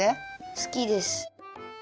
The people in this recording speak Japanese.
すきです。